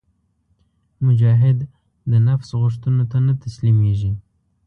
مجاهد د نفس غوښتنو ته نه تسلیمیږي.